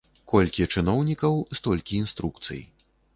Колькі чыноўнікаў, столькі інструкцый.